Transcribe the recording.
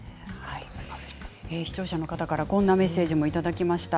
視聴者の方からこんなメッセージもいただきました。